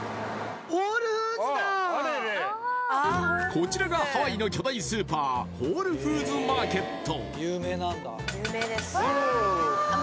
こちらがハワイの巨大スーパーホールフーズ・マーケット。